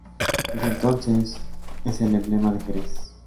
Desde entonces es el emblema de Jerez.